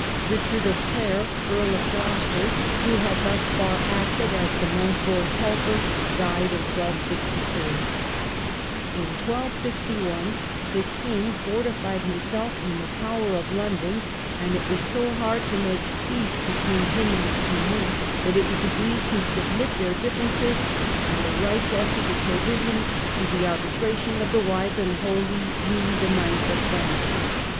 Richard of Clare, Earl of Gloucester, who had thus far acted as de Montfort's helper, died in 1262. In 1 26 1 the king fortified himself in the Tower of London, and it was so hard to make peace between him THE RULE OF SIMON. 73 and Simon that it was agreed to submit their differences, and the rights as to the Provisions, to the arbitration of the wise and holy Louis IX. of France.